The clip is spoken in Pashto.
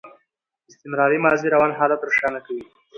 استمراري ماضي روان حالت روښانه کوي.